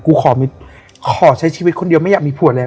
ขอใช้ชีวิตคนเดียวไม่อยากมีผัวแล้ว